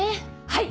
はい！